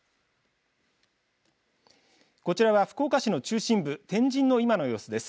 こちらは福岡市の中心部天神の今の様子です。